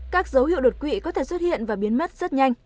các dấu hiệu đột quỵ có thể xuất hiện và biến mất rất nhanh